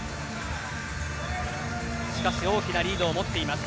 しかし、大きなリードを持っています。